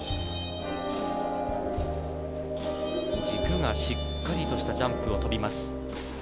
軸がしっかりとしたジャンプを跳びます。